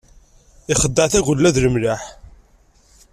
Ixdeɛ tagella d lemleḥ.